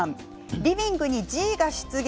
リビングにＧが出現。